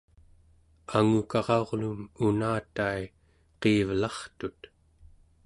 angukara'urluum unatai qiivelartut